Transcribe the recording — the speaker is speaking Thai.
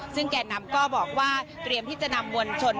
ซึ่งแก่นำก็บอกว่าเตรียมที่จะนำมวลชน